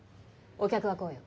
お客はこうよ。